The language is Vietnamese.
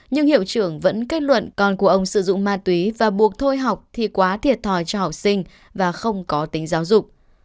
nhưng hiệu trưởng vẫn kết luận con của ông sử dụng ma túy và buộc thôi học thì quá thiệt thòi cho học sinh và không có tính giáo dục